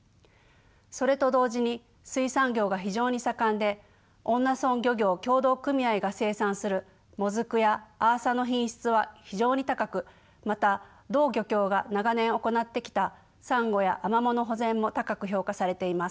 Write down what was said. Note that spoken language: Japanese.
それと同時に水産業が非常に盛んで恩納村漁業協同組合が生産するモズクやアーサの品質は非常に高くまた同漁協が長年行ってきたサンゴやアマモの保全も高く評価されています。